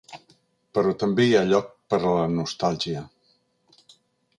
Però també hi ha lloc per a la nostàlgia.